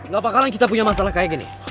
gak bakalan kita punya masalah kayak gini